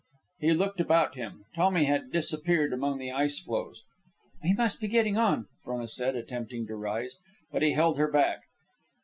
He looked about him. Tommy had disappeared among the ice floes. "We must be getting on," Frona said, attempting to rise. But he held her back.